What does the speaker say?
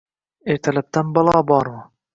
ertalabdan balo bormi?